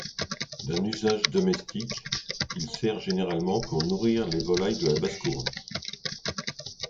D'un usage domestique, il sert généralement pour nourrir les volailles de la basse-cour.